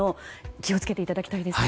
気を付けていただきたいですね。